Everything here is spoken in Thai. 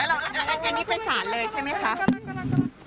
อันนี้เป็นสารเลยใช่ไหมคะ